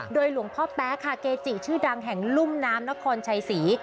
หลวงพ่อแป๊ค่ะเกจิชื่อดังแห่งลุ่มน้ำนครชัยศรี